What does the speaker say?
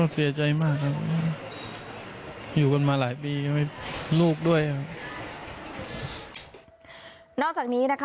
แบบนี้ด้านไหนวิชยุทธจินโตพ่อราชการสุราธานีย์ค่ะ